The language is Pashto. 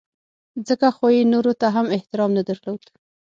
ځکه خو یې نورو ته هم احترام نه درلود.